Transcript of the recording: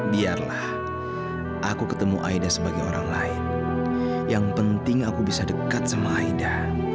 biarlah aku ketemu aida sebagai orang lain yang penting aku bisa dekat sama aida